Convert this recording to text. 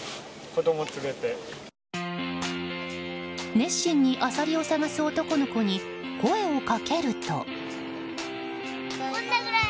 熱心にアサリを探す男の子に声をかけると。